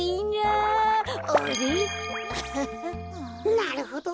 なるほど！